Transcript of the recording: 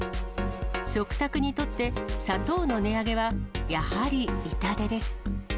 食卓にとって、砂糖の値上げはやはり痛手です。